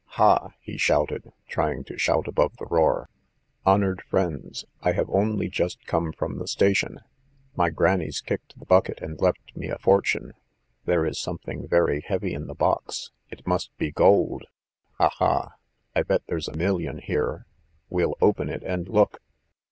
"Ha!" he shouted, trying to shout above the roar. "Honoured friends! I have only just come from the station! My granny's kicked the bucket and left me a fortune! There is something very heavy in the box, it must be gold, ha! ha! I bet there's a million here! We'll open it and look.